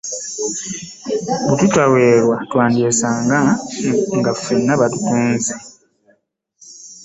Bwe tutaweerwa twandyesanga nga ffenna batutunze.